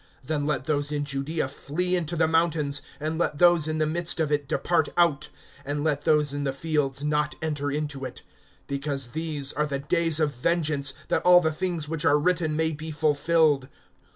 (21)Then let those in Judaea flee into the mountains; and let those in the midst of it depart out; and let those in the fields not enter into it. (22)Because these are the days of vengeance, that all the things which are written may be fulfilled.